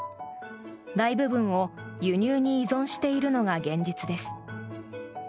大部分を輸入に依存しているのが現実です。